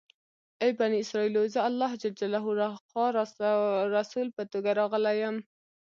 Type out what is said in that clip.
ای بني اسرایلو! زه الله جل جلاله لخوا رسول په توګه راغلی یم.